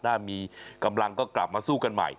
ถ้ามีกำลังก็กลับมาสู้กันใหม่